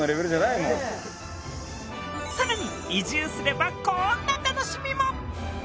更に移住すればこんな楽しみも。